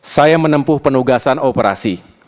saya menempuh penugasan operasi